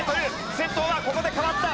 先頭はここで変わった！